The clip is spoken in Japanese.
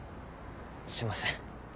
すいません。